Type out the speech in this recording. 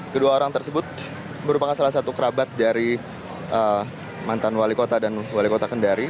kedua orang tersebut merupakan salah satu kerabat dari mantan wali kota dan wali kota kendari